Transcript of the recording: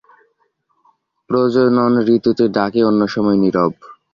প্রজনন ঋতুতে ডাকে, অন্য সময় নীরব।